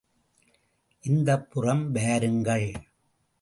இந்தப் புறம் வாருங்கள்.